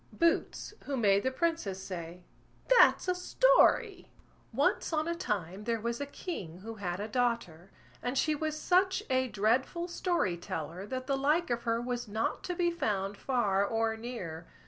BOOTS, WHO MADE THE PRINCESS SAY, "THAT'S A STORY" Once on a time there was a king who had a daughter, and she was such a dreadful story teller that the like of her was not to be found far or near.